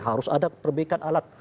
harus ada perbaikan alat